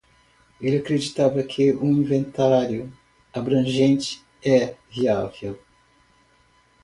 Ele acredita que um inventário abrangente é viável.